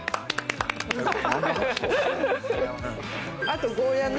あとゴーヤね。